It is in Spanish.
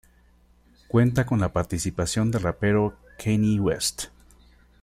Cuenta con la participación del rapero Kanye West.